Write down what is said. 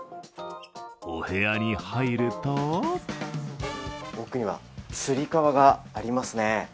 お部屋に入ると奥にはつり革がありますね。